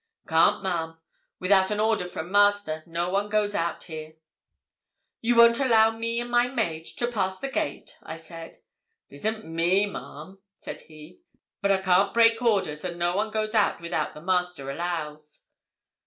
'Can't, ma'am; without an order from master, no one goes out here.' 'You won't allow me and my maid to pass the gate?' I said. ''Tisn't me, ma'am,' said he; 'but I can't break orders, and no one goes out without the master allows.'